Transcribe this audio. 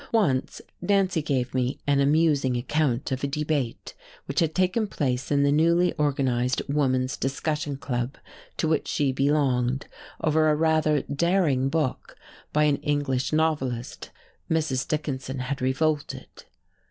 Once Nancy gave me an amusing account of a debate which had taken place in the newly organized woman's discussion club to which she belonged over a rather daring book by an English novelist. Mrs. Dickinson had revolted.